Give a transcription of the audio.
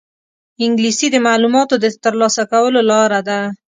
انګلیسي د معلوماتو د ترلاسه کولو لاره ده